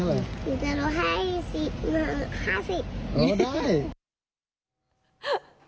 เออได้